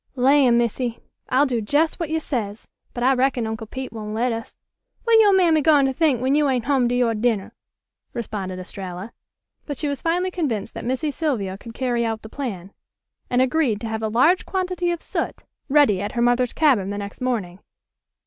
"Lan', Missy, I'll do jes' w'at yo' says. But I reckon Uncle Pete won' let us. Wat yo' mammy gwine to think w'en you ain't home to your dinner?" responded Estralla. But she was finally convinced that Missy Sylvia could carry out the plan, and agreed to have a large quantity of soot ready at her mother's cabin the next morning.